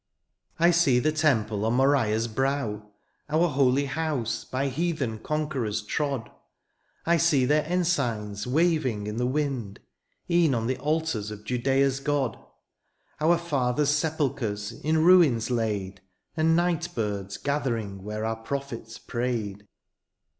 I see the temple on Moriah^s brow^ Our holy houae, by heathen conquerors' trod ; I see their ensigns waving in the wind^ E'en on the altars of Judea's Grod ; Our fcthers* sepulchres in ruins laid^ And night birds gathering where our propbets prayed.